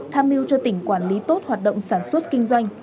tham mưu cho tỉnh quản lý tốt hoạt động sản xuất kinh doanh